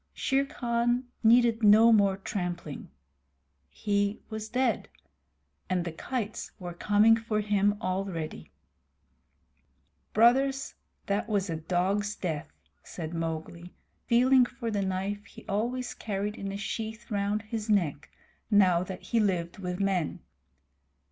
Shere Khan needed no more trampling. He was dead, and the kites were coming for him already. "Brothers, that was a dog's death," said Mowgli, feeling for the knife he always carried in a sheath round his neck now that he lived with men.